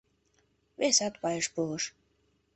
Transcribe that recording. Весат пайыш пурыш.